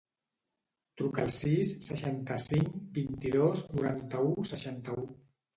Truca al sis, seixanta-cinc, vint-i-dos, noranta-u, seixanta-u.